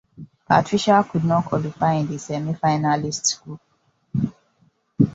Patricia could not qualify in the semifinalists group.